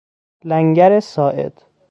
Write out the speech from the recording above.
لنگر ساعد